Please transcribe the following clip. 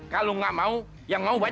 kalau nggak mau yang mau banyak